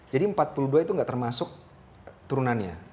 jadi empat puluh dua itu enggak termasuk turunannya